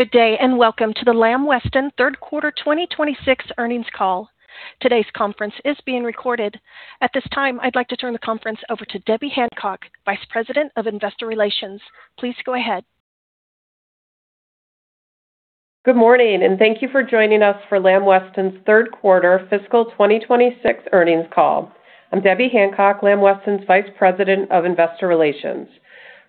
Good day, and welcome to the Lamb Weston third quarter 2026 earnings call. Today's conference is being recorded. At this time, I'd like to turn the conference over to Debbie Hancock, Vice President of Investor Relations. Please go ahead. Good morning, and thank you for joining us for Lamb Weston's third quarter fiscal 2026 earnings call. I'm Debbie Hancock, Lamb Weston's Vice President of Investor Relations.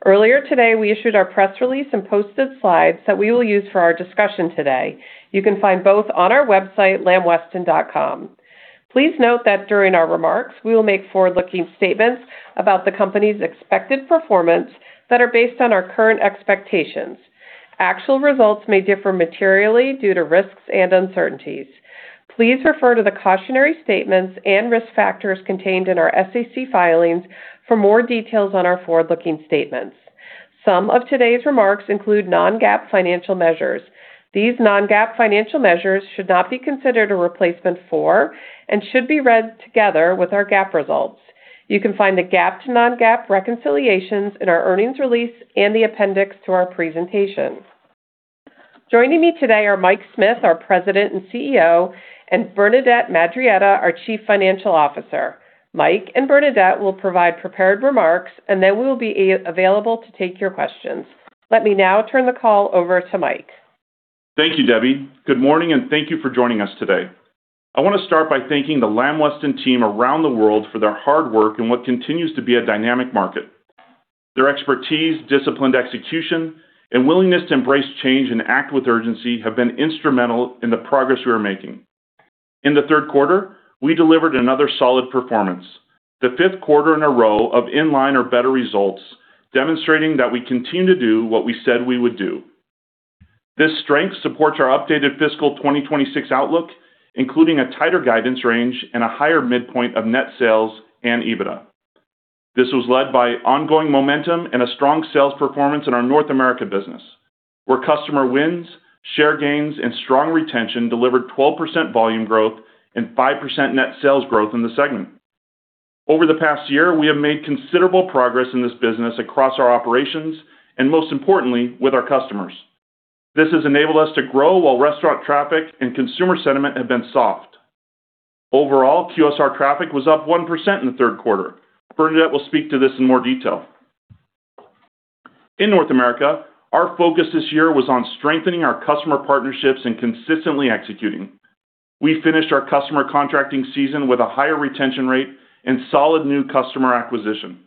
Earlier today, we issued our press release and posted slides that we will use for our discussion today. You can find both on our website, lambweston.com. Please note that during our remarks, we will make forward-looking statements about the company's expected performance that are based on our current expectations. Actual results may differ materially due to risks and uncertainties. Please refer to the cautionary statements and risk factors contained in our SEC filings for more details on our forward-looking statements. Some of today's remarks include non-GAAP financial measures. These non-GAAP financial measures should not be considered a replacement for and should be read together with our GAAP results. You can find the GAAP to non-GAAP reconciliations in our earnings release and the appendix to our presentations. Joining me today are Mike Smith, our President and CEO, and Bernadette Madarieta, our Chief Financial Officer. Mike and Bernadette will provide prepared remarks, and they will be available to take your questions. Let me now turn the call over to Mike. Thank you, Debbie. Good morning, and thank you for joining us today. I want to start by thanking the Lamb Weston team around the world for their hard work in what continues to be a dynamic market. Their expertise, disciplined execution, and willingness to embrace change and act with urgency have been instrumental in the progress we are making. In the third quarter, we delivered another solid performance, the fifth quarter in a row of in line or better results, demonstrating that we continue to do what we said we would do. This strength supports our updated fiscal 2026 outlook, including a tighter guidance range and a higher midpoint of net sales and EBITDA. This was led by ongoing momentum and a strong sales performance in our North America business, where customer wins, share gains, and strong retention delivered 12% volume growth and 5% net sales growth in the segment. Over the past year, we have made considerable progress in this business across our operations and most importantly, with our customers. This has enabled us to grow while restaurant traffic and consumer sentiment have been soft. Overall, QSR traffic was up 1% in the third quarter. Bernadette will speak to this in more detail. In North America, our focus this year was on strengthening our customer partnerships and consistently executing. We finished our customer contracting season with a higher retention rate and solid new customer acquisition.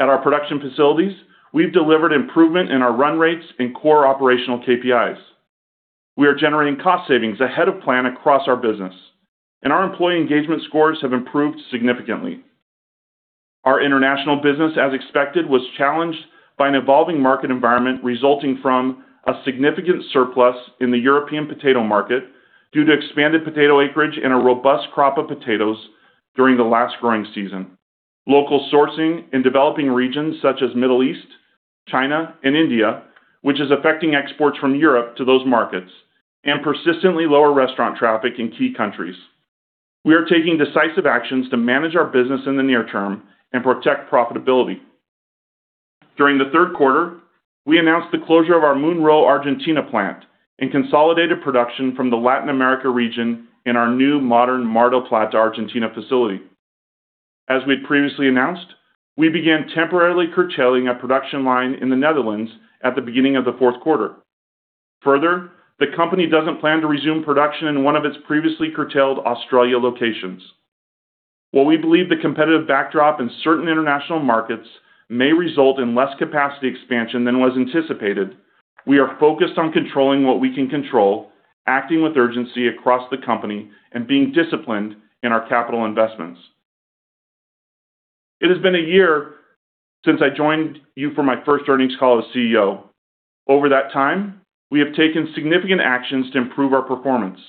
At our production facilities, we've delivered improvement in our run rates and core operational KPIs. We are generating cost savings ahead of plan across our business, and our employee engagement scores have improved significantly. Our international business, as expected, was challenged by an evolving market environment resulting from a significant surplus in the European potato market due to expanded potato acreage and a robust crop of potatoes during the last growing season, local sourcing in developing regions such as Middle East, China, and India, which is affecting exports from Europe to those markets, and persistently lower restaurant traffic in key countries. We are taking decisive actions to manage our business in the near term and protect profitability. During the third quarter, we announced the closure of our Munro, Argentina plant and consolidated production from the Latin America region in our new modern Mar del Plata, Argentina facility. As we'd previously announced, we began temporarily curtailing a production line in the Netherlands at the beginning of the fourth quarter. Further, the company doesn't plan to resume production in one of its previously curtailed Australia locations. While we believe the competitive backdrop in certain international markets may result in less capacity expansion than was anticipated, we are focused on controlling what we can control, acting with urgency across the company, and being disciplined in our capital investments. It has been a year since I joined you for my first earnings call as CEO. Over that time, we have taken significant actions to improve our performance.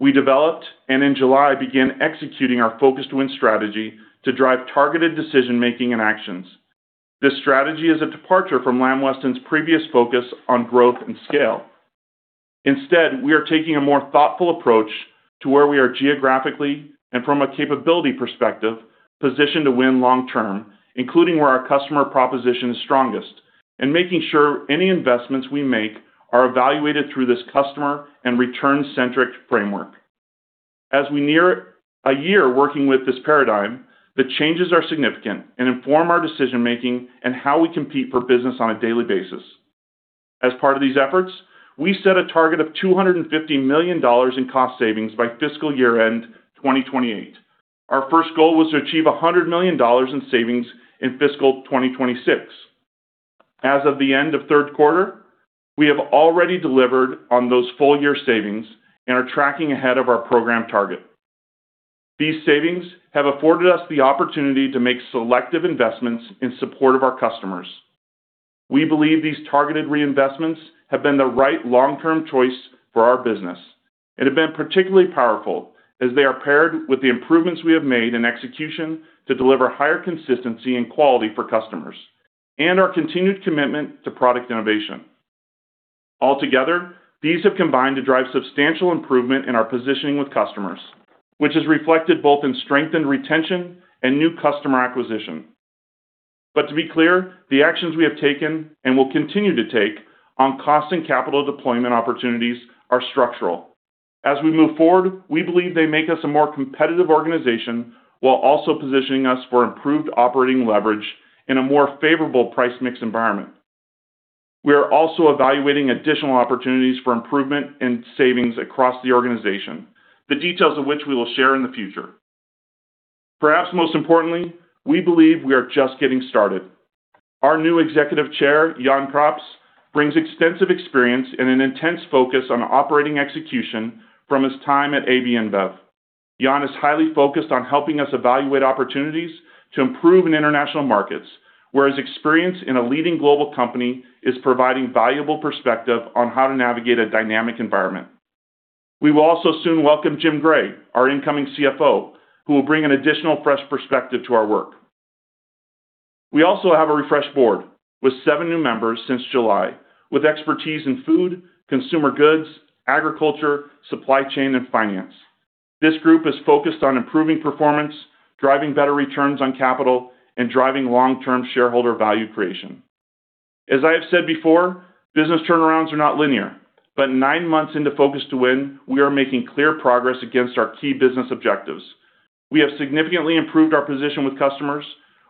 We developed and in July began executing our Focus to Win strategy to drive targeted decision-making and actions. This strategy is a departure from Lamb Weston's previous focus on growth and scale. Instead, we are taking a more thoughtful approach to where we are geographically and from a capability perspective, positioned to win long term, including where our customer proposition is strongest, and making sure any investments we make are evaluated through this customer and return-centric framework. As we near a year working with this paradigm, the changes are significant and inform our decision-making and how we compete for business on a daily basis. As part of these efforts, we set a target of $250 million in cost savings by fiscal year-end 2028. Our first goal was to achieve $100 million in savings in fiscal 2026. As of the end of third quarter, we have already delivered on those full year savings and are tracking ahead of our program target. These savings have afforded us the opportunity to make selective investments in support of our customers. We believe these targeted reinvestments have been the right long-term choice for our business and have been particularly powerful as they are paired with the improvements we have made in execution to deliver higher consistency and quality for customers and our continued commitment to product innovation. Altogether, these have combined to drive substantial improvement in our positioning with customers, which is reflected both in strengthened retention and new customer acquisition. To be clear, the actions we have taken and will continue to take on cost and capital deployment opportunities are structural. As we move forward, we believe they make us a more competitive organization while also positioning us for improved operating leverage in a more favorable price mix environment. We are also evaluating additional opportunities for improvement and savings across the organization, the details of which we will share in the future. Perhaps most importantly, we believe we are just getting started. Our new Executive Chair, Jan Craps, brings extensive experience and an intense focus on operating execution from his time at AB InBev. Jan is highly focused on helping us evaluate opportunities to improve in international markets, whose experience in a leading global company is providing valuable perspective on how to navigate a dynamic environment. We will also soon welcome Jim Gray, our incoming CFO, who will bring an additional fresh perspective to our work. We also have a refreshed board with seven new members since July with expertise in food, consumer goods, agriculture, supply chain, and finance. This group is focused on improving performance, driving better returns on capital, and driving long-term shareholder value creation. As I have said before, business turnarounds are not linear, but nine months into Focus to Win, we are making clear progress against our key business objectives. We have significantly improved our position with customers.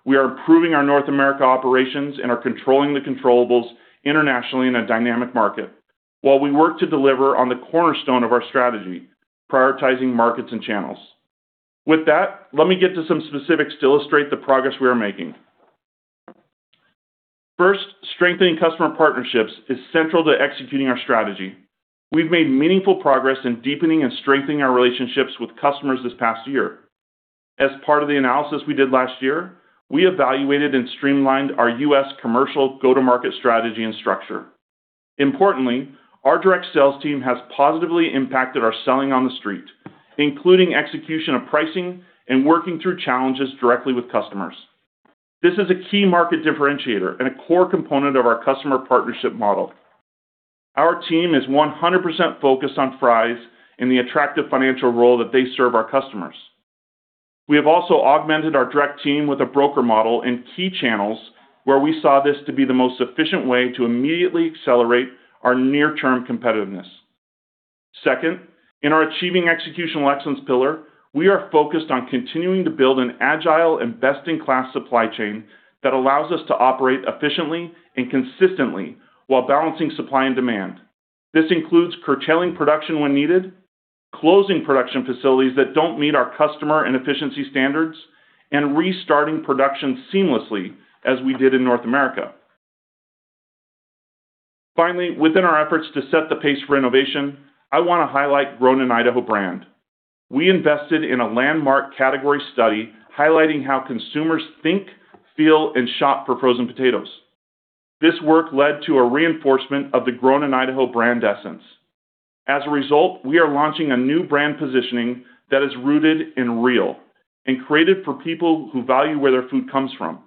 We are improving our North America operations and are controlling the controllables internationally in a dynamic market while we work to deliver on the cornerstone of our strategy, prioritizing markets and channels. With that, let me get to some specifics to illustrate the progress we are making. First, strengthening customer partnerships is central to executing our strategy. We've made meaningful progress in deepening and strengthening our relationships with customers this past year. As part of the analysis we did last year, we evaluated and streamlined our U.S. commercial go-to-market strategy and structure. Importantly, our direct sales team has positively impacted our selling on the street, including execution of pricing and working through challenges directly with customers. This is a key market differentiator and a core component of our customer partnership model. Our team is 100% focused on fries in the attractive financial role that they serve our customers. We have also augmented our direct team with a broker model in key channels where we saw this to be the most efficient way to immediately accelerate our near-term competitiveness. Second, in our achieving executional excellence pillar, we are focused on continuing to build an agile and best-in-class supply chain that allows us to operate efficiently and consistently while balancing supply and demand. This includes curtailing production when needed, closing production facilities that don't meet our customer and efficiency standards, and restarting production seamlessly, as we did in North America. Finally, within our efforts to set the pace for innovation, I want to highlight Grown in Idaho brand. We invested in a landmark category study highlighting how consumers think, feel, and shop for frozen potatoes. This work led to a reinforcement of the Grown in Idaho brand essence. As a result, we are launching a new brand positioning that is rooted in real and created for people who value where their food comes from.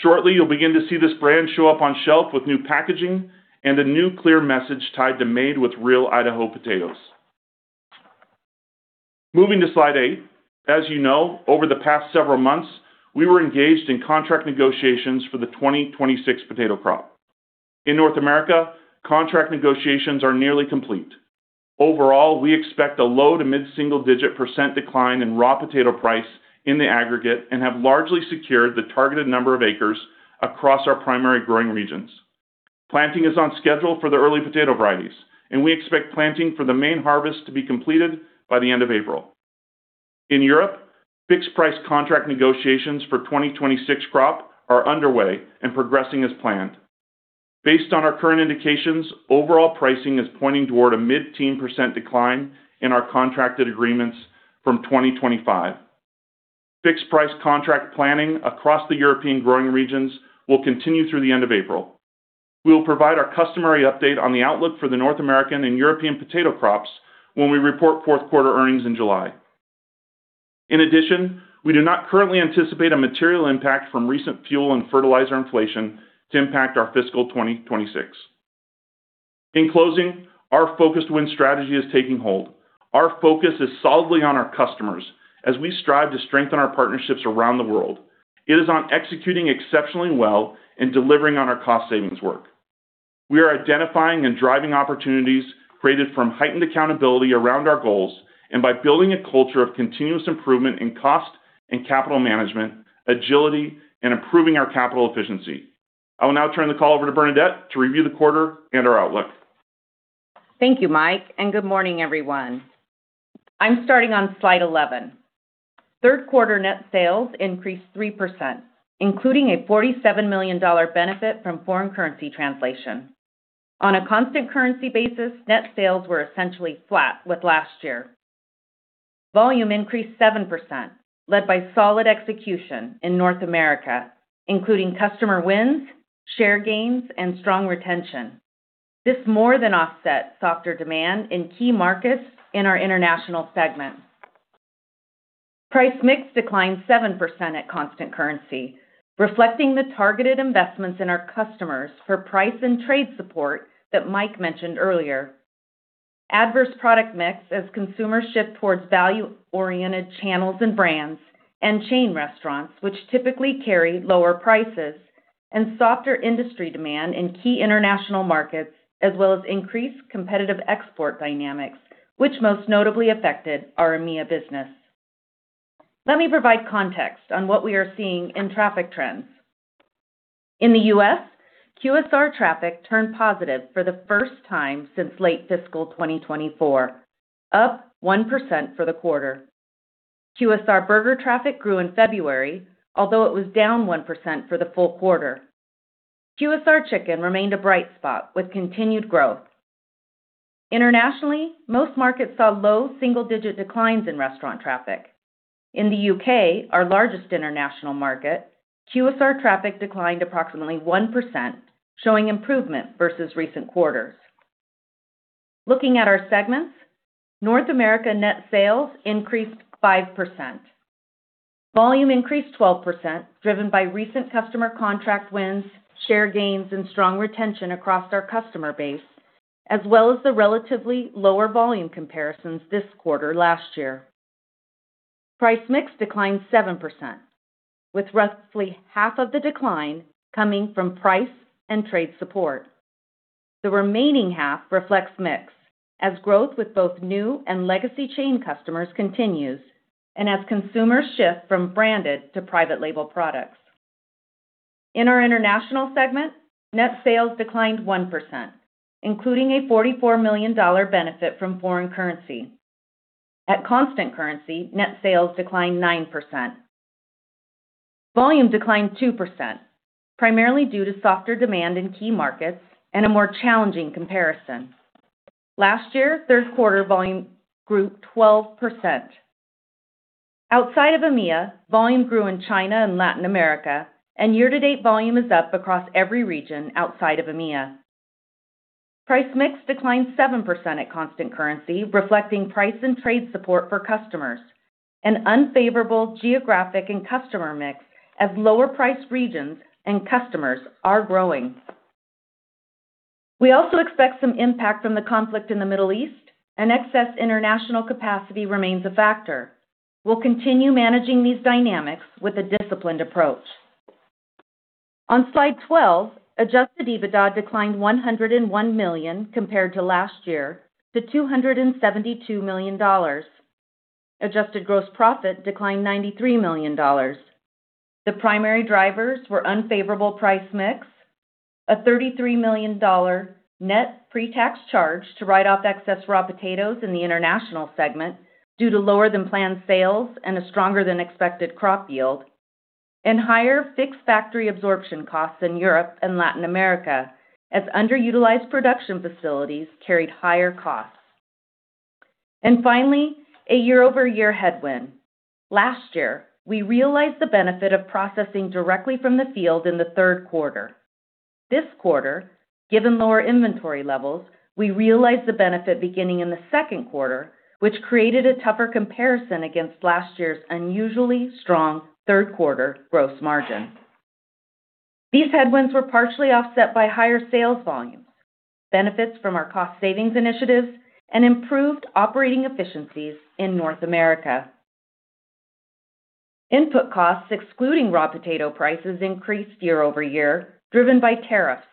Shortly, you'll begin to see this brand show up on shelf with new packaging and a new clear message tied to Made with Real Idaho Potatoes. Moving to slide eight, as you know, over the past several months, we were engaged in contract negotiations for the 2026 potato crop. In North America, contract negotiations are nearly complete. Overall, we expect a low to mid-single-digit percent decline in raw potato price in the aggregate and have largely secured the targeted number of acres across our primary growing regions. Planting is on schedule for the early potato varieties, and we expect planting for the main harvest to be completed by the end of April. In Europe, fixed price contract negotiations for 2026 crop are underway and progressing as planned. Based on our current indications, overall pricing is pointing toward a mid-teen percent decline in our contracted agreements from 2025. Fixed price contract planning across the European growing regions will continue through the end of April. We will provide our customary update on the outlook for the North American and European potato crops when we report fourth quarter earnings in July. In addition, we do not currently anticipate a material impact from recent fuel and fertilizer inflation to impact our fiscal 2026. In closing, our Focus to Win strategy is taking hold. Our focus is solidly on our customers as we strive to strengthen our partnerships around the world. It is on executing exceptionally well and delivering on our cost savings work. We are identifying and driving opportunities created from heightened accountability around our goals and by building a culture of continuous improvement in cost and capital management, agility, and improving our capital efficiency. I will now turn the call over to Bernadette to review the quarter and our outlook. Thank you, Mike, and good morning, everyone. I'm starting on slide 11. Third quarter net sales increased 3%, including a $47 million benefit from foreign currency translation. On a constant currency basis, net sales were essentially flat with last year. Volume increased 7%, led by solid execution in North America, including customer wins, share gains, and strong retention. This more than offset softer demand in key markets in our international segment. Price mix declined 7% at constant currency, reflecting the targeted investments in our customers for price and trade support that Mike mentioned earlier. Adverse product mix as consumers shift towards value-oriented channels and brands and chain restaurants, which typically carry lower prices and softer industry demand in key international markets, as well as increased competitive export dynamics, which most notably affected our EMEIA business. Let me provide context on what we are seeing in traffic trends. In the U.S., QSR traffic turned positive for the first time since late fiscal 2024, up 1% for the quarter. QSR burger traffic grew in February, although it was down 1% for the full quarter. QSR chicken remained a bright spot with continued growth. Internationally, most markets saw low single-digit declines in restaurant traffic. In the U.K., our largest international market, QSR traffic declined approximately 1%, showing improvement versus recent quarters. Looking at our segments, North America net sales increased 5%. Volume increased 12%, driven by recent customer contract wins, share gains, and strong retention across our customer base, as well as the relatively lower volume comparisons this quarter last year. Price mix declined 7%, with roughly half of the decline coming from price and trade support. The remaining half reflects mix as growth with both new and legacy chain customers continues and as consumers shift from branded to private label products. In our international segment, net sales declined 1%, including a $44 million benefit from foreign currency. At constant currency, net sales declined 9%. Volume declined 2%, primarily due to softer demand in key markets and a more challenging comparison. Last year, third quarter volume grew 12%. Outside of EMEIA, volume grew in China and Latin America, and year-to-date volume is up across every region outside of EMEIA. Price mix declined 7% at constant currency, reflecting price and trade support for customers, an unfavorable geographic and customer mix as lower price regions and customers are growing. We also expect some impact from the conflict in the Middle East and excess international capacity remains a factor. We'll continue managing these dynamics with a disciplined approach. On Slide 12, adjusted EBITDA declined $101 million compared to last year to $272 million. Adjusted gross profit declined $93 million. The primary drivers were unfavorable price mix, a $33 million net pre-tax charge to write off excess raw potatoes in the international segment due to lower than planned sales and a stronger than expected crop yield, and higher fixed factory absorption costs in Europe and Latin America as underutilized production facilities carried higher costs. Finally, a year-over-year headwind. Last year, we realized the benefit of processing directly from the field in the third quarter. This quarter, given lower inventory levels, we realized the benefit beginning in the second quarter, which created a tougher comparison against last year's unusually strong third quarter gross margin. These headwinds were partially offset by higher sales volumes, benefits from our cost savings initiatives, and improved operating efficiencies in North America. Input costs, excluding raw potato prices, increased year-over-year, driven by tariffs,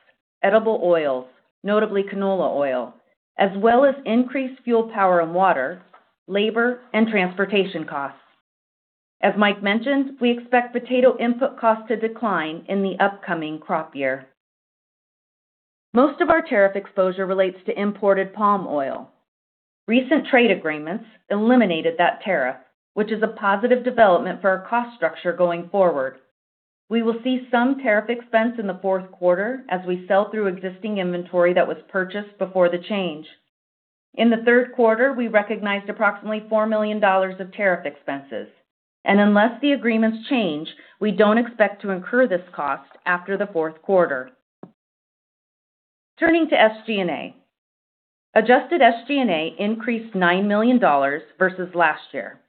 edible oils, notably canola oil, as well as increased fuel power and water, labor, and transportation costs. As Mike mentioned, we expect potato input costs to decline in the upcoming crop year. Most of our tariff exposure relates to imported palm oil. Recent trade agreements eliminated that tariff, which is a positive development for our cost structure going forward. We will see some tariff expense in the fourth quarter as we sell through existing inventory that was purchased before the change. In the third quarter, we recognized approximately $4 million of tariff expenses, and unless the agreements change, we don't expect to incur this cost after the fourth quarter. Turning to SG&A. Adjusted SG&A increased $9 million versus last year.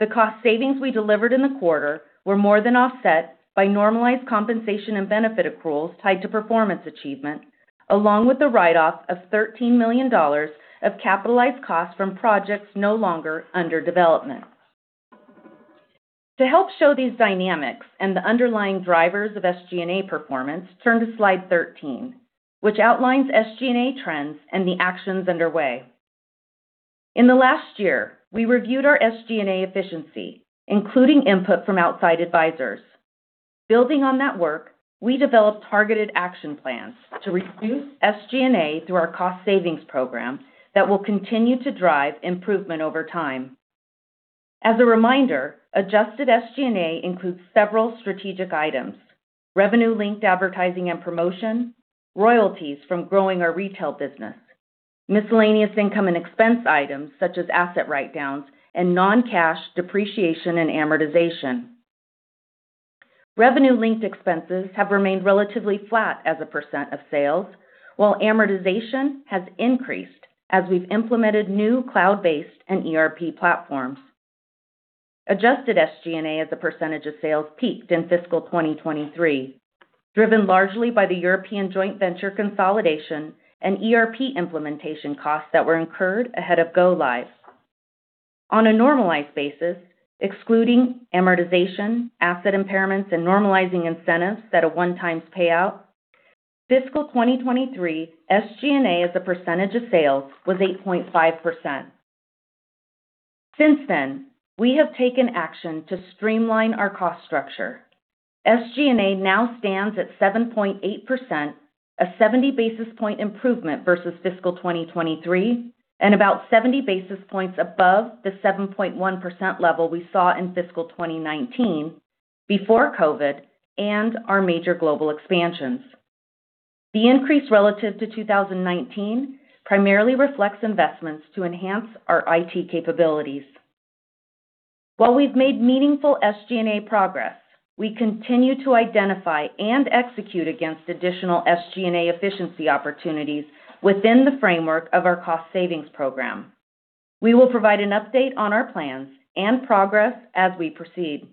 The cost savings we delivered in the quarter were more than offset by normalized compensation and benefit accruals tied to performance achievement, along with the write-off of $13 million of capitalized costs from projects no longer under development. To help show these dynamics and the underlying drivers of SG&A performance, turn to Slide 13, which outlines SG&A trends and the actions underway. In the last year, we reviewed our SG&A efficiency, including input from outside advisors. Building on that work, we developed targeted action plans to reduce SG&A through our cost savings program that will continue to drive improvement over time. As a reminder, adjusted SG&A includes several strategic items, revenue-linked advertising and promotion, royalties from growing our retail business, miscellaneous income and expense items such as asset write-downs, and non-cash depreciation and amortization. Revenue-linked expenses have remained relatively flat as a percent of sales, while amortization has increased as we've implemented new cloud-based and ERP platforms. Adjusted SG&A as a percentage of sales peaked in fiscal 2023, driven largely by the European joint venture consolidation and ERP implementation costs that were incurred ahead of go-live. On a normalized basis, excluding amortization, asset impairments, and normalizing incentives that was a one-time payout, fiscal 2023 SG&A as a percentage of sales was 8.5%. Since then, we have taken action to streamline our cost structure. SG&A now stands at 7.8%, a 70 basis point improvement versus fiscal 2023 and about 70 basis points above the 7.1% level we saw in fiscal 2019 before COVID and our major global expansions. The increase relative to 2019 primarily reflects investments to enhance our IT capabilities. While we've made meaningful SG&A progress, we continue to identify and execute against additional SG&A efficiency opportunities within the framework of our cost savings program. We will provide an update on our plans and progress as we proceed.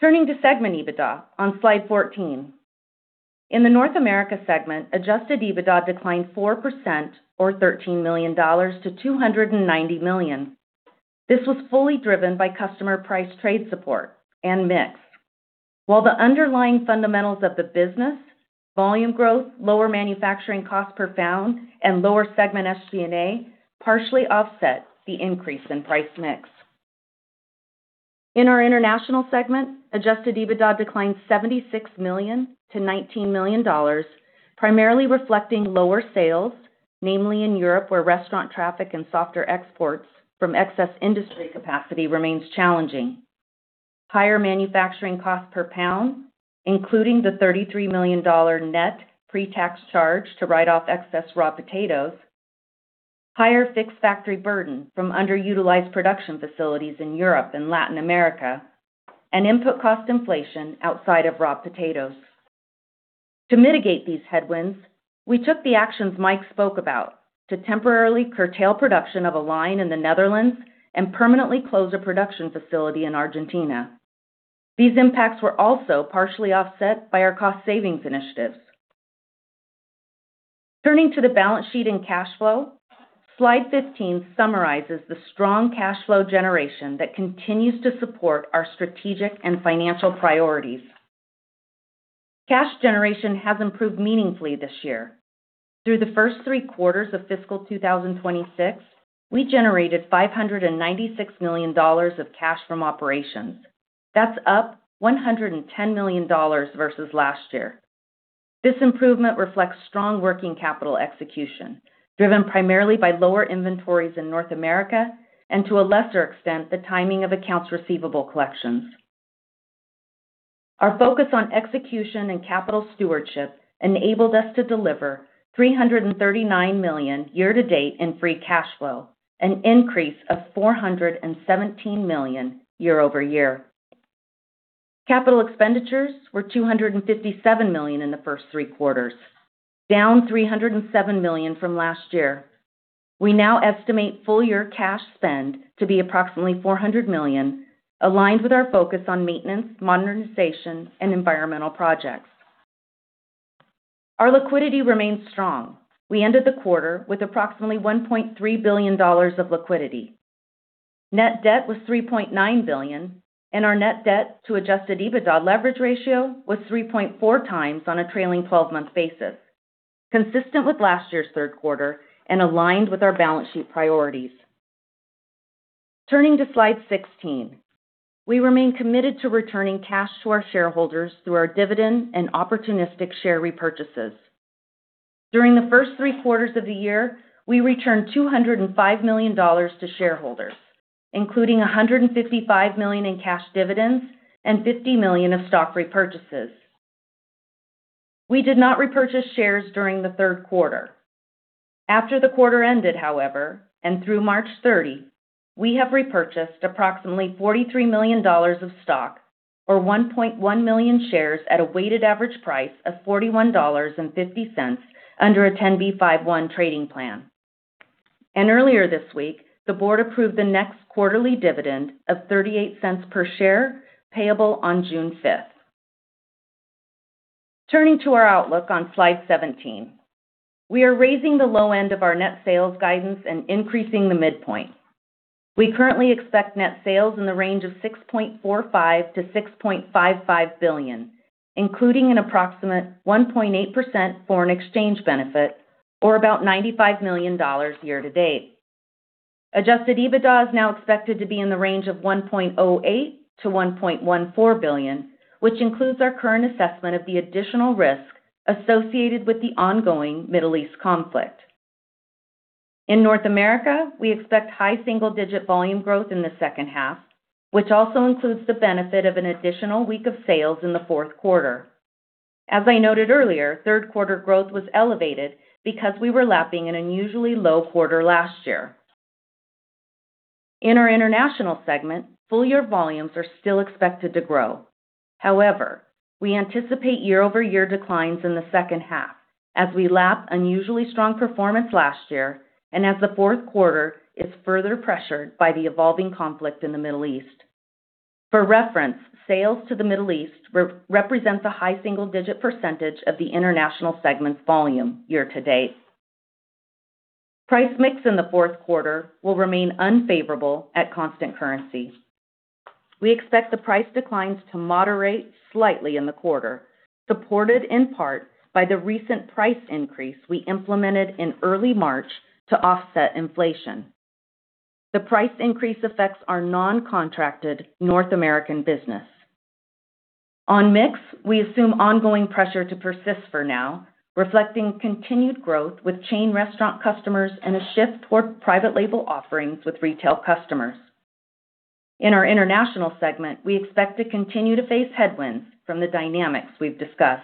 Turning to segment EBITDA on slide 14. In the North America segment, adjusted EBITDA declined 4% or $13 million-$290 million. This was fully driven by customer price trade support and mix, while the underlying fundamentals of the business, volume growth, lower manufacturing cost per pound, and lower segment SG&A partially offset the increase in price mix. In our International segment, adjusted EBITDA declined $76 million-$19 million, primarily reflecting lower sales, namely in Europe, where restaurant traffic and softer exports from excess industry capacity remains challenging. Higher manufacturing cost per pound, including the $33 million net pre-tax charge to write off excess raw potatoes, higher fixed factory burden from underutilized production facilities in Europe and Latin America, and input cost inflation outside of raw potatoes. To mitigate these headwinds, we took the actions Mike spoke about to temporarily curtail production of a line in the Netherlands and permanently close a production facility in Argentina. These impacts were also partially offset by our cost savings initiatives. Turning to the balance sheet and cash flow, slide 15 summarizes the strong cash flow generation that continues to support our strategic and financial priorities. Cash generation has improved meaningfully this year. Through the first three quarters of fiscal 2026, we generated $596 million of cash from operations. That's up $110 million versus last year. This improvement reflects strong working capital execution, driven primarily by lower inventories in North America and to a lesser extent, the timing of accounts receivable collections. Our focus on execution and capital stewardship enabled us to deliver $339 million year to date in free cash flow, an increase of $417 million year-over-year. Capital expenditures were $257 million in the first three quarters, down $307 million from last year. We now estimate full year cash spend to be approximately $400 million, aligned with our focus on maintenance, modernization, and environmental projects. Our liquidity remains strong. We ended the quarter with approximately $1.3 billion of liquidity. Net debt was $3.9 billion, and our net debt to adjusted EBITDA leverage ratio was 3.4x on a trailing 12-month basis, consistent with last year's third quarter and aligned with our balance sheet priorities. Turning to slide 16. We remain committed to returning cash to our shareholders through our dividend and opportunistic share repurchases. During the first three quarters of the year, we returned $205 million to shareholders, including $155 million in cash dividends and $50 million of stock repurchases. We did not repurchase shares during the third quarter. After the quarter ended, however, and through March 30, we have repurchased approximately $43 million of stock, or 1.1 million shares at a weighted average price of $41.50 under a 10b5-1 trading plan. Earlier this week, the board approved the next quarterly dividend of $0.38 per share payable on June 5. Turning to our outlook on slide 17. We are raising the low end of our net sales guidance and increasing the midpoint. We currently expect net sales in the range of $6.45 billion-$6.55 billion, including an approximate 1.8% foreign exchange benefit, or about $95 million year-to-date. Adjusted EBITDA is now expected to be in the range of $1.08 billion-$1.14 billion, which includes our current assessment of the additional risk associated with the ongoing Middle East conflict. In North America, we expect high single-digit volume growth in the second half, which also includes the benefit of an additional week of sales in the fourth quarter. As I noted earlier, third quarter growth was elevated because we were lapping an unusually low quarter last year. In our international segment, full year volumes are still expected to grow. However, we anticipate year-over-year declines in the second half as we lap unusually strong performance last year and as the fourth quarter is further pressured by the evolving conflict in the Middle East. For reference, sales to the Middle East represent the high single-digit percentage of the international segment volume year-to-date. Price mix in the fourth quarter will remain unfavorable at constant currency. We expect the price declines to moderate slightly in the quarter, supported in part by the recent price increase we implemented in early March to offset inflation. The price increase affects our non-contracted North American business. On mix, we assume ongoing pressure to persist for now, reflecting continued growth with chain restaurant customers and a shift toward private label offerings with retail customers. In our international segment, we expect to continue to face headwinds from the dynamics we've discussed.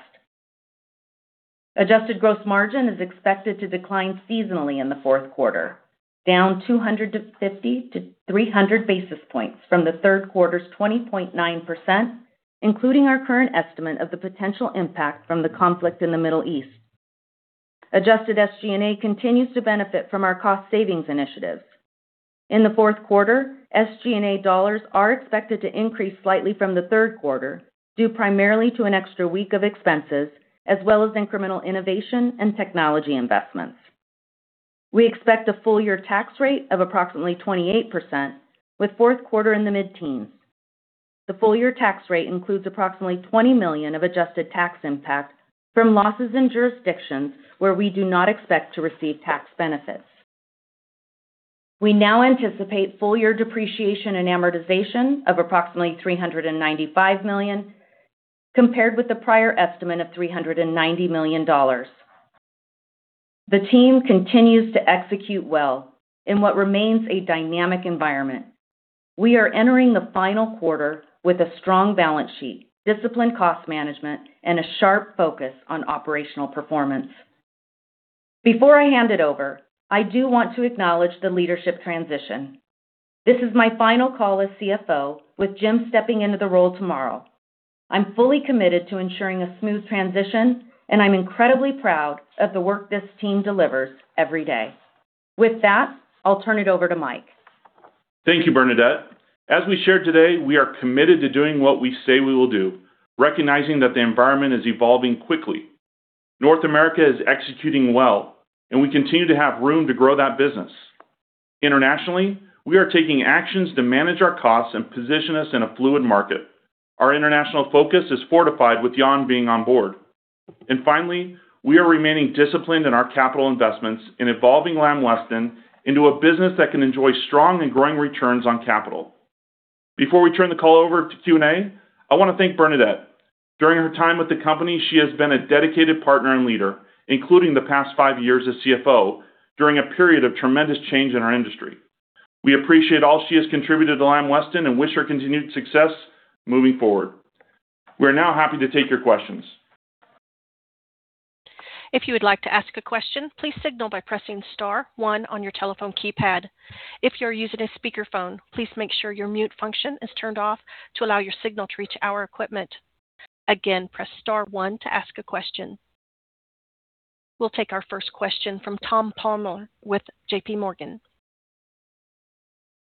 Adjusted gross margin is expected to decline seasonally in the fourth quarter, down 250-300 basis points from the third quarter's 20.9%, including our current estimate of the potential impact from the conflict in the Middle East. Adjusted SG&A continues to benefit from our cost savings initiatives. In the fourth quarter, SG&A dollars are expected to increase slightly from the third quarter, due primarily to an extra week of expenses as well as incremental innovation and technology investments. We expect a full year tax rate of approximately 28% with fourth quarter in the mid-teens. The full year tax rate includes approximately $20 million of adjusted tax impact from losses in jurisdictions where we do not expect to receive tax benefits. We now anticipate full year depreciation and amortization of approximately $395 million, compared with the prior estimate of $390 million. The team continues to execute well in what remains a dynamic environment. We are entering the final quarter with a strong balance sheet, disciplined cost management, and a sharp focus on operational performance. Before I hand it over, I do want to acknowledge the leadership transition. This is my final call as CFO, with Jim stepping into the role tomorrow. I'm fully committed to ensuring a smooth transition, and I'm incredibly proud of the work this team delivers every day. With that, I'll turn it over to Mike. Thank you, Bernadette. As we shared today, we are committed to doing what we say we will do, recognizing that the environment is evolving quickly. North America is executing well and we continue to have room to grow that business. Internationally, we are taking actions to manage our costs and position us in a fluid market. Our international focus is fortified with Jan being on board. Finally, we are remaining disciplined in our capital investments in evolving Lamb Weston into a business that can enjoy strong and growing returns on capital. Before we turn the call over to Q&A, I wanna thank Bernadette. During her time with the company, she has been a dedicated partner and leader, including the past five years as CFO during a period of tremendous change in our industry. We appreciate all she has contributed to Lamb Weston and wish her continued success moving forward. We are now happy to take your questions. If you would like to ask a question, please signal by pressing star one on your telephone keypad. If you're using a speakerphone, please make sure your mute function is turned off to allow your signal to reach our equipment. Again, press star one to ask a question. We'll take our first question from Tom Palmer with JPMorgan.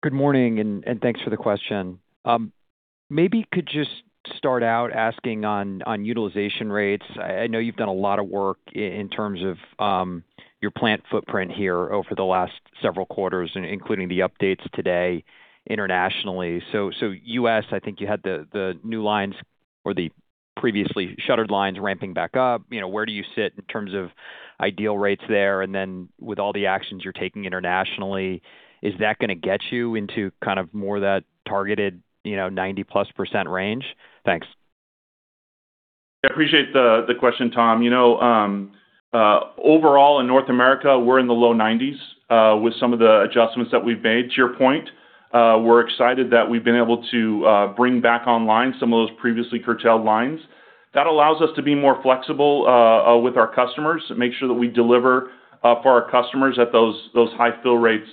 Good morning, thanks for the question. Maybe could just start out asking on utilization rates. I know you've done a lot of work in terms of your plant footprint here over the last several quarters, including the updates today internationally. So U.S., I think you had the new lines or the previously shuttered lines ramping back up. You know, where do you sit in terms of ideal rates there? Then with all the actions you're taking internationally, is that gonna get you into kind of more that targeted, you know, 90%+ range? Thanks. I appreciate the question, Tom. Overall in North America, we're in the low 90s% with some of the adjustments that we've made. To your point, we're excited that we've been able to bring back online some of those previously curtailed lines. That allows us to be more flexible with our customers to make sure that we deliver for our customers at those high fill rates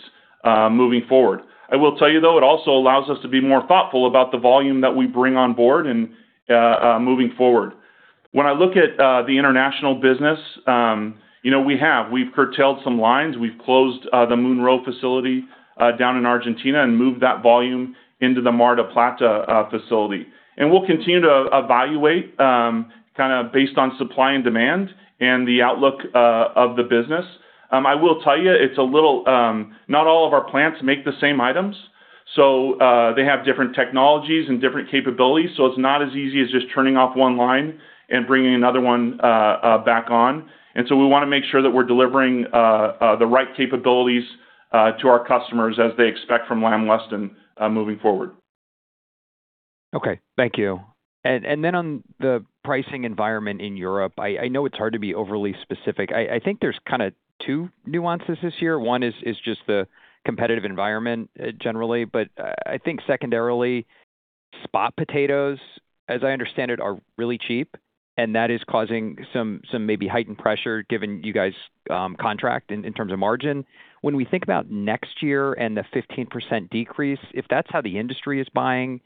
moving forward. I will tell you, though, it also allows us to be more thoughtful about the volume that we bring on board and moving forward. When I look at the international business, we've curtailed some lines. We've closed the Munro facility down in Argentina and moved that volume into the Mar del Plata facility. We'll continue to evaluate kinda based on supply and demand and the outlook of the business. I will tell you it's a little not all of our plants make the same items, so they have different technologies and different capabilities, so it's not as easy as just turning off one line and bringing another one back on. We wanna make sure that we're delivering the right capabilities to our customers as they expect from Lamb Weston moving forward. Okay. Thank you. On the pricing environment in Europe, I know it's hard to be overly specific. I think there's kinda two nuances this year. One is just the competitive environment, generally. I think secondarily, spot potatoes, as I understand it, are really cheap. That is causing some maybe heightened pressure given you guys contracting in terms of margin. When we think about next year and the 15% decrease, if that's how the industry is buying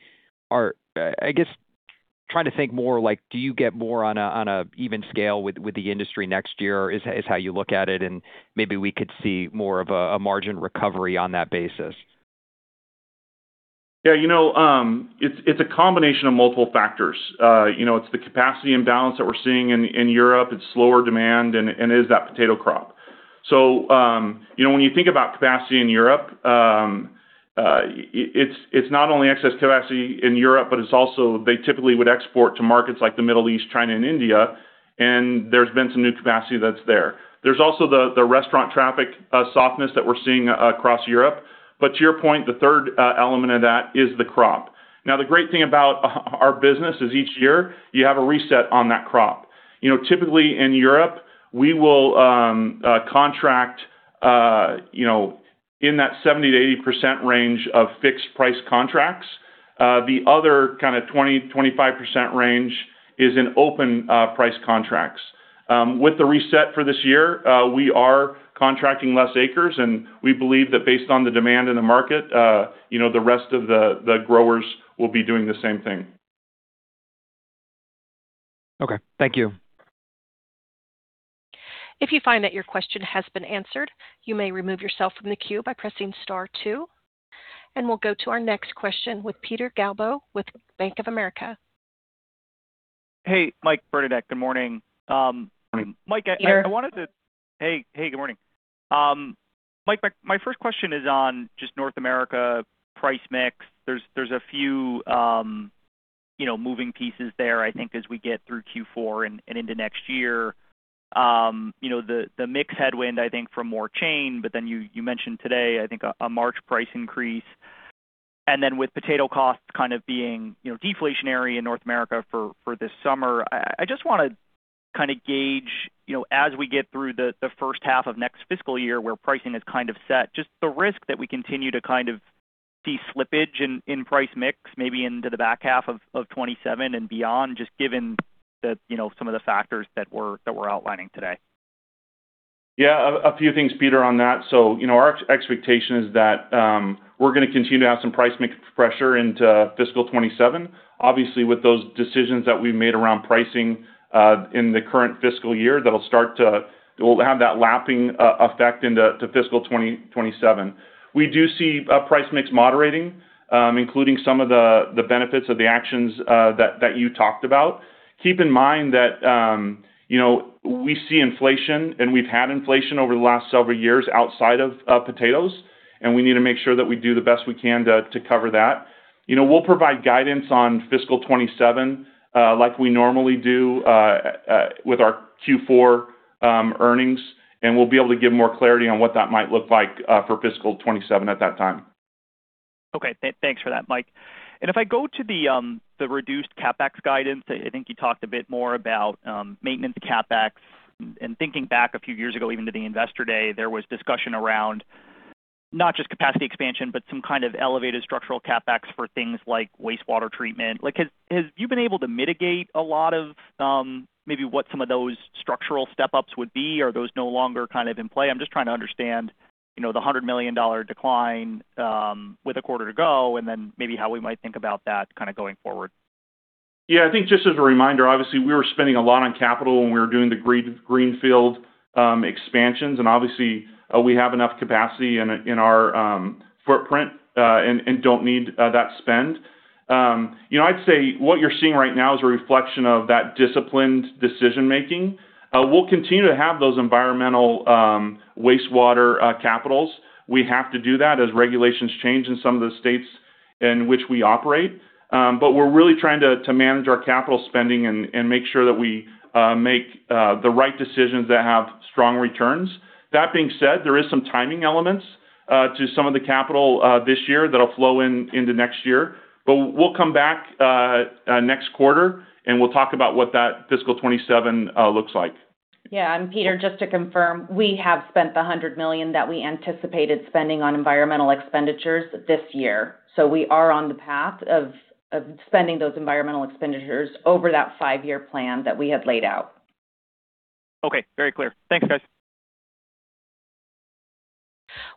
or I guess trying to think more like, do you get more on a even scale with the industry next year is how you look at it, and maybe we could see more of a margin recovery on that basis. Yeah. You know, it's a combination of multiple factors. It's the capacity imbalance that we're seeing in Europe, it's slower demand and it is that potato crop. When you think about capacity in Europe, it's not only excess capacity in Europe, but it's also they typically would export to markets like the Middle East, China and India, and there's been some new capacity that's there. There's also the restaurant traffic softness that we're seeing across Europe. To your point, the third element of that is the crop. Now, the great thing about our business is each year you have a reset on that crop. Typically in Europe, we will contract in that 70%-80% range of fixed price contracts. The other kind of 20%-25% range is in open price contracts. With the reset for this year, we are contracting less acres, and we believe that based on the demand in the market, the rest of the growers will be doing the same thing. Okay. Thank you. If you find that your question has been answered, you may remove yourself from the queue by pressing star two. We'll go to our next question with Peter Galbo with Bank of America. Hey, Mike, Bernadette. Good morning. Morning. Peter. Hey, good morning. Mike, my first question is on just North America price mix. There's a few, you know, moving pieces there I think as we get through Q4 and into next year. You know, the mix headwind I think from more chain, but then you mentioned today I think a March price increase. Then with potato costs kind of being, you know, deflationary in North America for this summer. I just wanna kind of gauge, you know, as we get through the first half of next fiscal year where pricing is kind of set, just the risk that we continue to kind of see slippage in price mix maybe into the back half of 2027 and beyond, just given the, you know, some of the factors that we're outlining today. A few things, Peter, on that. You know, our expectation is that we're gonna continue to have some price mix pressure into fiscal 2027. Obviously, with those decisions that we made around pricing in the current fiscal year, we'll have that lapping effect into fiscal 2027. We do see price mix moderating, including some of the benefits of the actions that you talked about. Keep in mind that, you know, we see inflation, and we've had inflation over the last several years outside of potatoes, and we need to make sure that we do the best we can to cover that. You know, we'll provide guidance on fiscal 2027, like we normally do, with our Q4 earnings, and we'll be able to give more clarity on what that might look like, for fiscal 2027 at that time. Okay. Thanks for that, Mike. If I go to the reduced CapEx guidance, I think you talked a bit more about maintenance CapEx. Thinking back a few years ago, even to the Investor Day, there was discussion around not just capacity expansion, but some kind of elevated structural CapEx for things like wastewater treatment. Like, have you been able to mitigate a lot of maybe what some of those structural step-ups would be? Are those no longer kind of in play? I'm just trying to understand, you know, the $100 million decline with a quarter to go, and then maybe how we might think about that kinda going forward. Yeah. I think just as a reminder, obviously, we were spending a lot on capital when we were doing the greenfield expansions, and obviously, we have enough capacity in our footprint and don't need that spend. You know, I'd say what you're seeing right now is a reflection of that disciplined decision-making. We'll continue to have those environmental wastewater capitals. We have to do that as regulations change in some of the states in which we operate. We're really trying to manage our capital spending and make sure that we make the right decisions that have strong returns. That being said, there is some timing elements to some of the capital this year that'll flow into next year. We'll come back next quarter, and we'll talk about what that fiscal 2027 looks like. Yeah. Peter, just to confirm, we have spent the $100 million that we anticipated spending on environmental expenditures this year, so we are on the path of spending those environmental expenditures over that five-year plan that we had laid out. Okay. Very clear. Thanks, guys.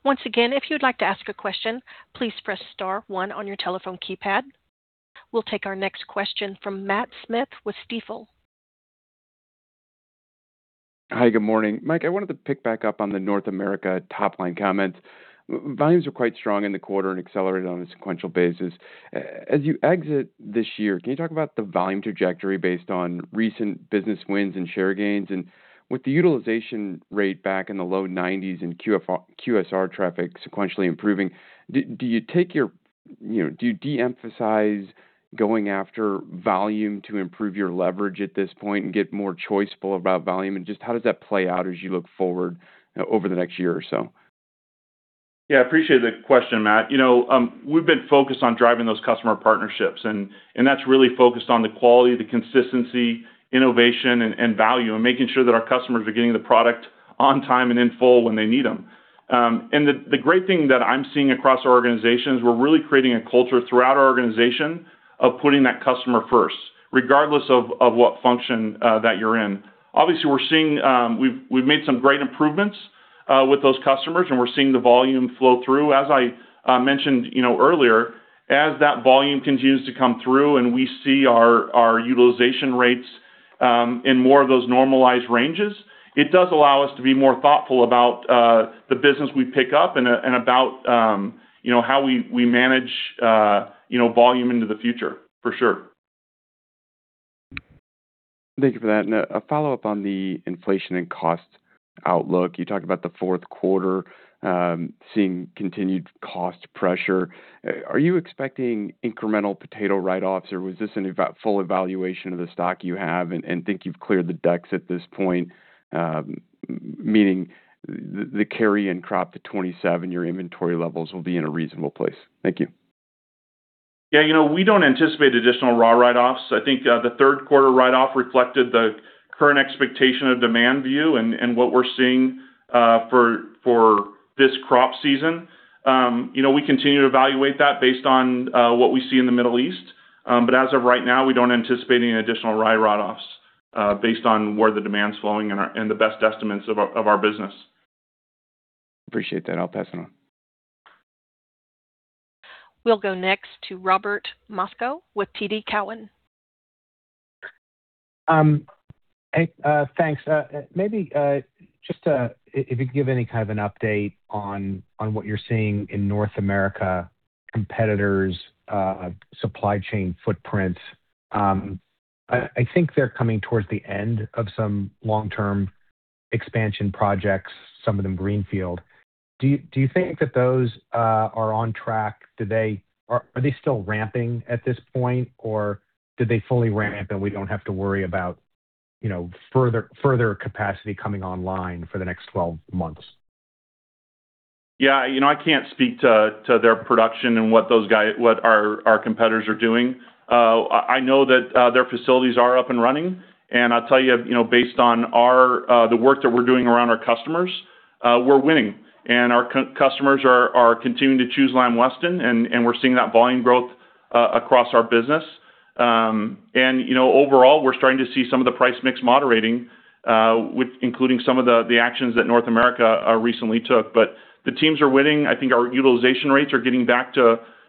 Once again, if you'd like to ask a question, please press star one on your telephone keypad. We'll take our next question from Matt Smith with Stifel. Hi, good morning. Mike, I wanted to pick back up on the North America top-line comment. Volumes were quite strong in the quarter and accelerated on a sequential basis. As you exit this year, can you talk about the volume trajectory based on recent business wins and share gains? With the utilization rate back in the low 90s% and QSR traffic sequentially improving, do you take your... You know, do you de-emphasize going after volume to improve your leverage at this point and get more choiceful about volume? Just how does that play out as you look forward over the next year or so? Yeah, I appreciate the question, Matt. You know, we've been focused on driving those customer partnerships, and that's really focused on the quality, the consistency, innovation and value, and making sure that our customers are getting the product on time and in full when they need them. The great thing that I'm seeing across our organization is we're really creating a culture throughout our organization of putting that customer first, regardless of what function that you're in. Obviously, we've made some great improvements with those customers, and we're seeing the volume flow through. As I mentioned, you know, earlier, as that volume continues to come through and we see our utilization rates in more of those normalized ranges, it does allow us to be more thoughtful about the business we pick up and about, you know, how we manage, you know, volume into the future. For sure. Thank you for that. A follow-up on the inflation and cost outlook. You talked about the fourth quarter seeing continued cost pressure. Are you expecting incremental potato write-offs, or was this a full evaluation of the stock you have and think you've cleared the decks at this point? Meaning the carry-in crop to 2027, your inventory levels will be in a reasonable place. Thank you. Yeah, you know, we don't anticipate additional raw write-offs. I think the third quarter write-off reflected the current expectation of demand view and what we're seeing for this crop season. You know, we continue to evaluate that based on what we see in the Middle East. As of right now, we don't anticipate any additional write-offs based on where the demand's flowing and the best estimates of our business. Appreciate that. I'll pass it on. We'll go next to Robert Moskow with TD Cowen. Hey, thanks. Maybe if you could give any kind of an update on what you're seeing in North America competitors' supply chain footprint. I think they're coming towards the end of some long-term expansion projects, some of them greenfield. Do you think that those are on track? Are they still ramping at this point, or did they fully ramp, and we don't have to worry about, you know, further capacity coming online for the next 12 months? Yeah, you know, I can't speak to their production and what our competitors are doing. I know that their facilities are up and running. I'll tell you know, based on the work that we're doing around our customers, we're winning. Our customers are continuing to choose Lamb Weston, and we're seeing that volume growth across our business. You know, overall, we're starting to see some of the price mix moderating, including some of the actions that North America recently took. The teams are winning. I think our utilization rates are getting back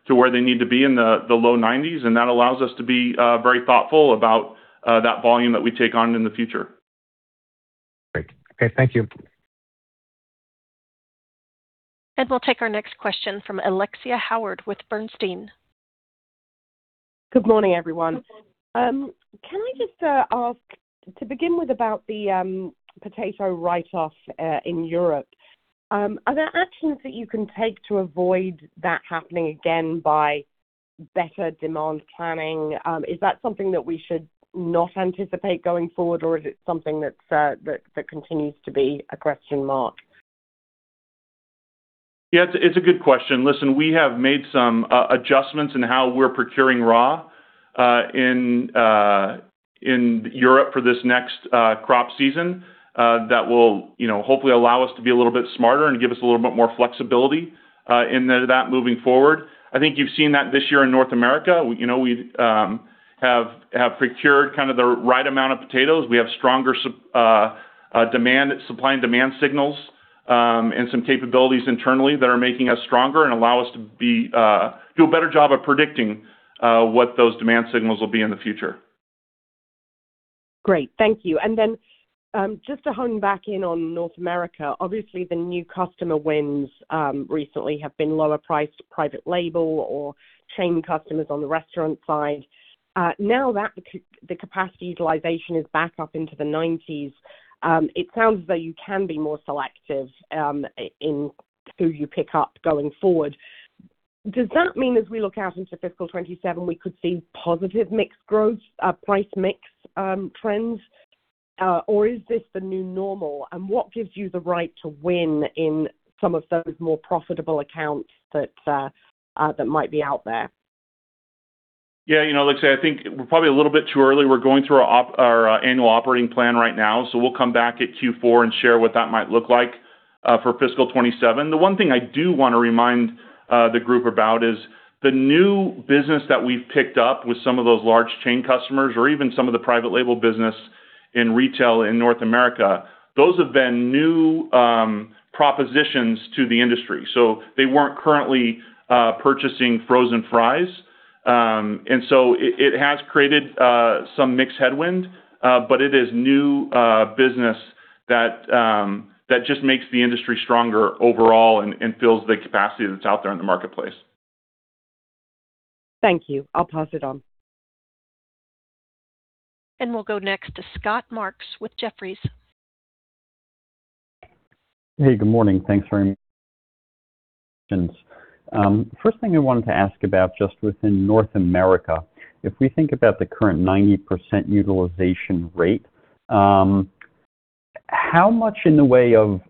to where they need to be in the low 90s%, and that allows us to be very thoughtful about that volume that we take on in the future. Great. Okay, thank you. We'll take our next question from Alexia Howard with Bernstein. Good morning, everyone. Can I just ask to begin with about the potato write-off in Europe. Are there actions that you can take to avoid that happening again by better demand planning? Is that something that we should not anticipate going forward, or is it something that's that continues to be a question mark? Yeah, it's a good question. Listen, we have made some adjustments in how we're procuring raw in Europe for this next crop season that will, you know, hopefully allow us to be a little bit smarter and give us a little bit more flexibility in that moving forward. I think you've seen that this year in North America. You know, we've procured kind of the right amount of potatoes. We have stronger supply and demand signals and some capabilities internally that are making us stronger and allow us to do a better job of predicting what those demand signals will be in the future. Great. Thank you. Just to hone back in on North America, obviously, the new customer wins recently have been lower priced private label or chain customers on the restaurant side. Now that the capacity utilization is back up into the 90s%, it sounds as though you can be more selective in who you pick up going forward. Does that mean as we look out into fiscal 2027, we could see positive mix growth, price mix, trends? Or is this the new normal? What gives you the right to win in some of those more profitable accounts that might be out there? Yeah, you know, Alexia, I think we're probably a little bit too early. We're going through our annual operating plan right now. We'll come back at Q4 and share what that might look like for fiscal 2027. The one thing I do wanna remind the group about is the new business that we've picked up with some of those large chain customers or even some of the private label business in retail in North America, those have been new propositions to the industry. They weren't currently purchasing frozen fries. It has created some mix headwind, but it is new business that just makes the industry stronger overall and fills the capacity that's out there in the marketplace. Thank you. I'll pass it on. We'll go next to Scott Marks with Jefferies. Hey, good morning. Thanks. First thing I wanted to ask about just within North America, if we think about the current 90% utilization rate, how much in the way of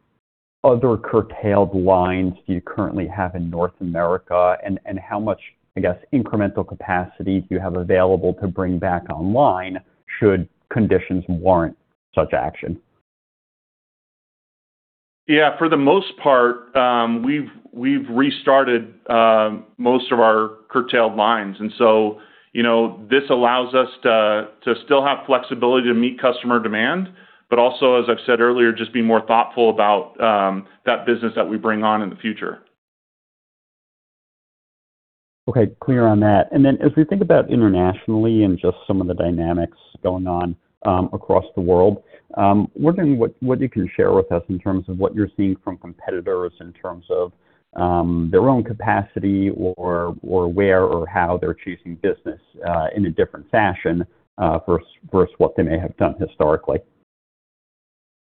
other curtailed lines do you currently have in North America? And how much, I guess, incremental capacity do you have available to bring back online? Should conditions warrant such action. Yeah, for the most part, we've restarted most of our curtailed lines. You know, this allows us to still have flexibility to meet customer demand, but also, as I've said earlier, just be more thoughtful about that business that we bring on in the future. Okay, clear on that. As we think about internationally and just some of the dynamics going on across the world, wondering what you can share with us in terms of what you're seeing from competitors in terms of their own capacity or where or how they're choosing business in a different fashion versus what they may have done historically.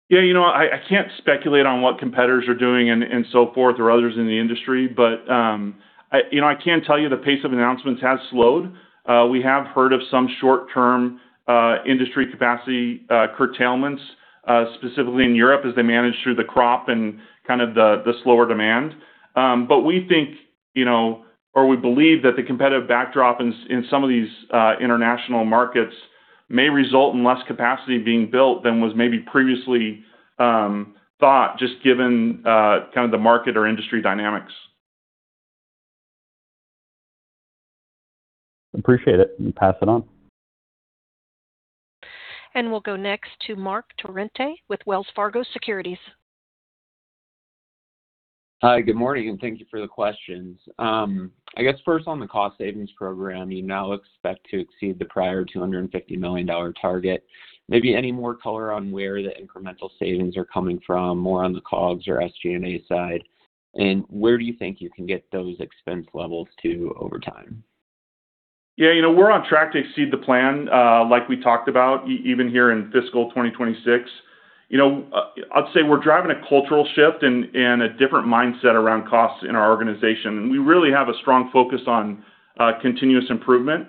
Yeah, you know, I can't speculate on what competitors are doing and so forth, or others in the industry. You know, I can tell you the pace of announcements has slowed. We have heard of some short-term industry capacity curtailments, specifically in Europe as they manage through the crop and kind of the slower demand. We think, you know, or we believe that the competitive backdrop in some of these international markets may result in less capacity being built than was maybe previously thought, just given kind of the market or industry dynamics. Appreciate it, and pass it on. We'll go next to Marc Torrente with Wells Fargo Securities. Hi, good morning, and thank you for the questions. I guess first on the cost savings program, you now expect to exceed the prior $250 million target. Maybe any more color on where the incremental savings are coming from, more on the COGS or SG&A side, and where do you think you can get those expense levels to over time? Yeah, you know, we're on track to exceed the plan, like we talked about even here in fiscal 2026. You know, I'd say we're driving a cultural shift and a different mindset around costs in our organization, and we really have a strong focus on continuous improvement.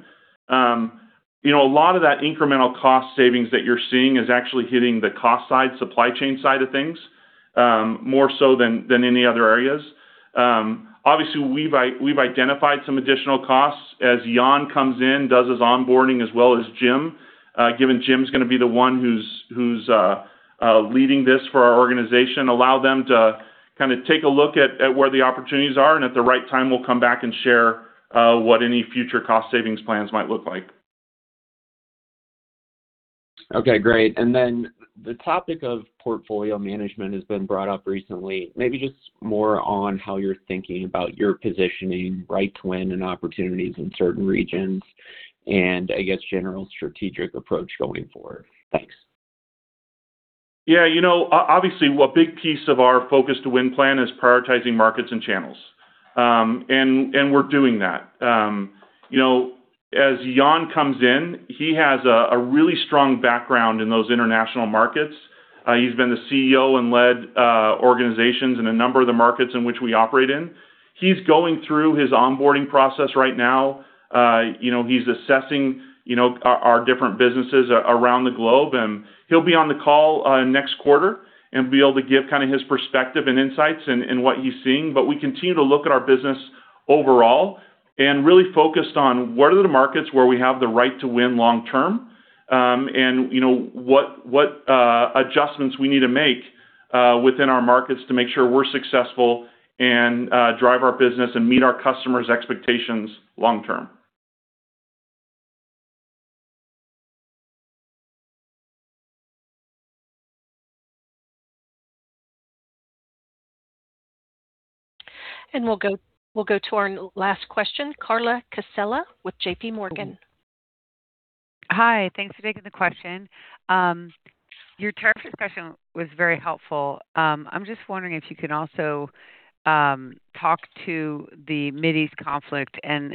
You know, a lot of that incremental cost savings that you're seeing is actually hitting the cost side, supply chain side of things, more so than any other areas. Obviously, we've identified some additional costs as Jan comes in, does his onboarding, as well as Jim. Given Jim's gonna be the one who's leading this for our organization, allow them to kinda take a look at where the opportunities are, and at the right time, we'll come back and share what any future cost savings plans might look like. Okay, great. The topic of portfolio management has been brought up recently. Maybe just more on how you're thinking about your positioning right to win and opportunities in certain regions and I guess general strategic approach going forward. Thanks. Yeah, you know, obviously, what big piece of our Focus to Win plan is prioritizing markets and channels. We're doing that. You know, as Jan comes in, he has a really strong background in those international markets. He's been the CEO and led organizations in a number of the markets in which we operate in. He's going through his onboarding process right now. You know, he's assessing our different businesses around the globe, and he'll be on the call next quarter and be able to give kinda his perspective and insights in what he's seeing. We continue to look at our business overall and really focused on what are the markets where we have the right to win long term, and, you know, what adjustments we need to make within our markets to make sure we're successful and drive our business and meet our customers' expectations long term. We'll go to our last question, Carla Casella with JPMorgan. Hi. Thanks for taking the question. Your tariff discussion was very helpful. I'm just wondering if you can also talk to the Mideast conflict and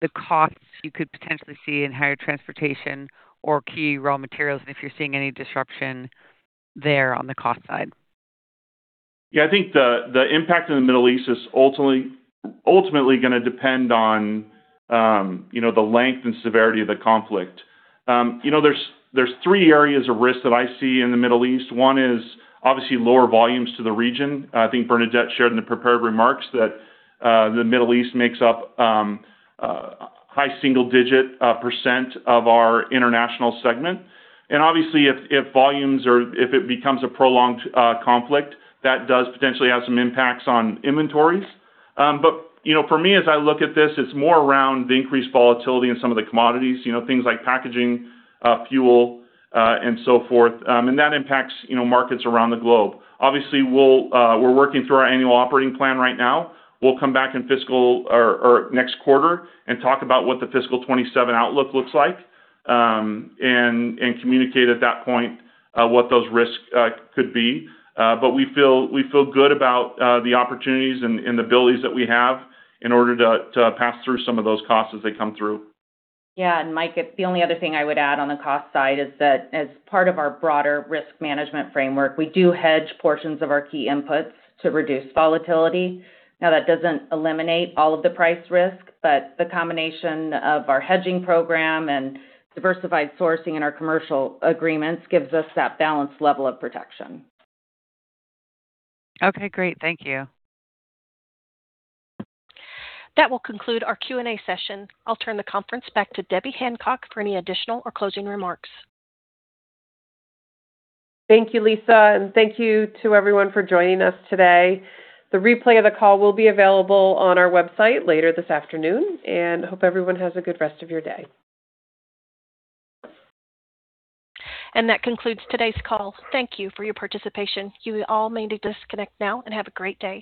the costs you could potentially see in higher transportation or key raw materials and if you're seeing any disruption there on the cost side. Yeah. I think the impact in the Middle East is ultimately gonna depend on, you know, the length and severity of the conflict. You know, there's three areas of risk that I see in the Middle East. One is obviously lower volumes to the region. I think Bernadette shared in the prepared remarks that the Middle East makes up a high single digit percent of our international segment. Obviously, if volumes or if it becomes a prolonged conflict, that does potentially have some impacts on inventories. You know, for me, as I look at this, it's more around the increased volatility in some of the commodities, you know, things like packaging, fuel, and so forth. That impacts, you know, markets around the globe. Obviously, we're working through our annual operating plan right now. We'll come back in fiscal or next quarter and talk about what the fiscal 2027 outlook looks like, and communicate at that point what those risks could be. We feel good about the opportunities and the abilities that we have in order to pass through some of those costs as they come through. Yeah. Mike, the only other thing I would add on the cost side is that as part of our broader risk management framework, we do hedge portions of our key inputs to reduce volatility. Now, that doesn't eliminate all of the price risk, but the combination of our hedging program and diversified sourcing and our commercial agreements gives us that balanced level of protection. Okay, great. Thank you. That will conclude our Q&A session. I'll turn the conference back to Debbie Hancock for any additional or closing remarks. Thank you, Lisa, and thank you to everyone for joining us today. The replay of the call will be available on our website later this afternoon, and I hope everyone has a good rest of your day. That concludes today's call. Thank you for your participation. You all may disconnect now and have a great day.